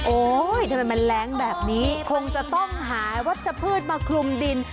ทำไมมันแรงแบบนี้คงจะต้องหาวัชพืชมาคลุมดิน